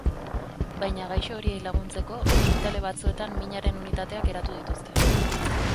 Baina gaixo horiei laguntzeko ospitale batzuetan minaren unitateak eratu dituzte.